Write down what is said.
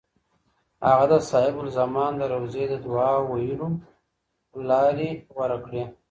هغه د صاحب الزمان د روضې د دعا د ویلو لارې غوره کړې.